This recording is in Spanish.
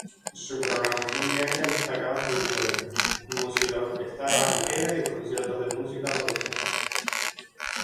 Su programación diaria destacaba folklore, música orquestada ligera y conciertos de música docta.